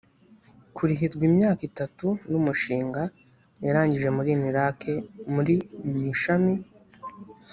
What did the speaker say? kurihirwa imyaka itatu n umushinga yarangije muri unilak muri mu ishami